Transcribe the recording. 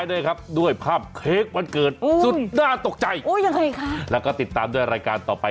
อุ้ยปุสิกิลลงกว่าน่ะ